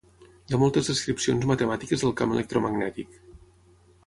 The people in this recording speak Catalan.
Hi ha moltes descripcions matemàtiques del camp electromagnètic.